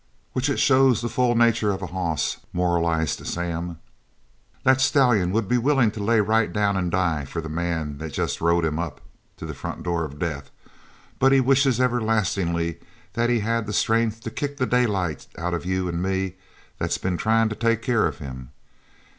"Which it shows the fool nature of a hoss," moralized Sam. "That stallion would be willin' to lay right down and die for the man that's jest rode him up to the front door of death, but he wishes everlastingly that he had the strength to kick the daylight out of you an' me that's been tryin' to take care of him.